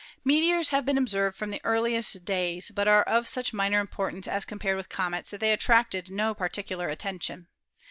Meteors have been observed from the earliest days, but are of such minor importance as compared with comets that they attracted no particular attention.